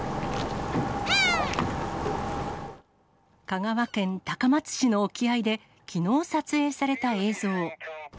香川県高松市の沖合で、きのう撮影された映像。